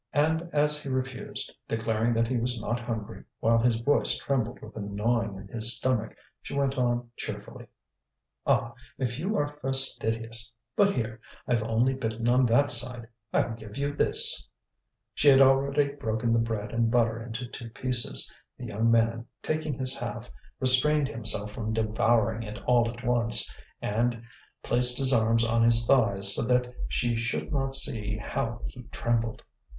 And as he refused, declaring that he was not hungry, while his voice trembled with the gnawing in his stomach, she went on cheerfully: "Ah! if you are fastidious! But here, I've only bitten on that side. I'll give you this." She had already broken the bread and butter into two pieces. The young man, taking his half, restrained himself from devouring it all at once, and placed his arms on his thighs, so that she should not see how he trembled.